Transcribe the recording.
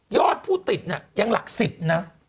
ยอดผู้ติดยังหลัก๑๐นะ